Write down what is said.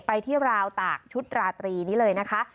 ไปที่ราวตากชุดราตรีนี้เลยนะคะ